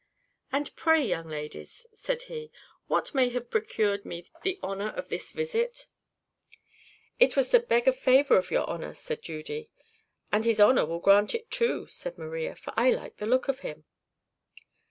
"And pray, young ladies," said he, "what may have procured me the honour of this visit?" "It was to beg a favour of your honour," said Judy. "And his honour will grant it, too," said Maria; "for I like the look of him."